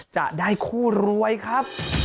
จะได้คู่รวยครับ